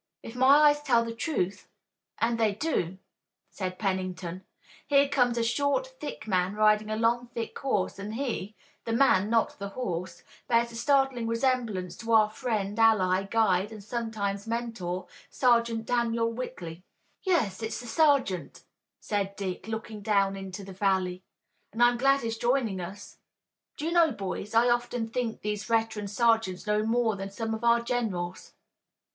"If my eyes tell the truth, and they do," said Pennington, "here comes a short, thick man riding a long, thick horse and he the man, not the horse bears a startling resemblance to our friend, ally, guide and sometime mentor, Sergeant Daniel Whitley." "Yes, it's the sergeant," said Dick, looking down into the valley, "and I'm glad he's joining us. Do you know, boys, I often think these veteran sergeants know more than some of our generals."